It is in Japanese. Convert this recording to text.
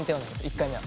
１回目は。